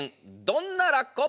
どんなラッコ？